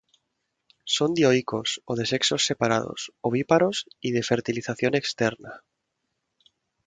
Son dioicos, o de sexos separados, ovíparos, y de fertilización externa.